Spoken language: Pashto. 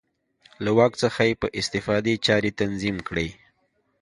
له واک څخه یې په استفادې چارې تنظیم کړې.